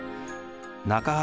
中原